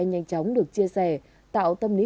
nhanh chóng được chia sẻ tạo tâm lý